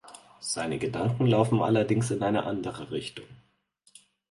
Seine Gedanken laufen allerdings in eine andere Richtung.